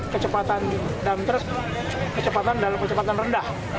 kecepatan dalam truk kecepatan dalam kecepatan rendah